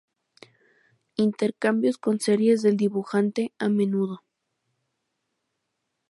Intercambios con series del dibujante a menudo.